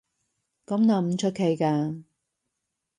噉諗唔出奇㗎